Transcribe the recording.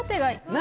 何？